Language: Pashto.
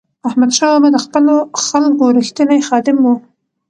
احمدشاه بابا د خپلو خلکو رښتینی خادم و.